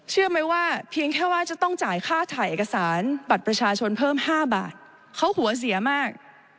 เชื่อไหมว่าเพียงแค่ว่าจะต้องจ่ายค่าถ่ายเอกสารบัตรประชาชนเพิ่ม๕บาทเขาหัวเสียมาก